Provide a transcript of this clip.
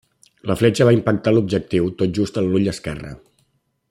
La fletxa va impactar l'objectiu tot just en l'ull esquerre.